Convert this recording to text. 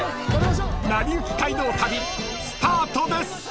［『なりゆき街道旅』スタートです］